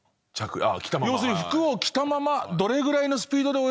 要するに服を着たままどれぐらいのスピードで泳げるか。